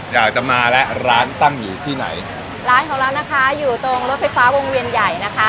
อยากจะมาแล้วร้านตั้งอยู่ที่ไหนร้านของเรานะคะอยู่ตรงรถไฟฟ้าวงเวียนใหญ่นะคะ